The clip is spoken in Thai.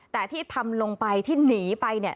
แต่ที่ทำลงไปที่หนีไป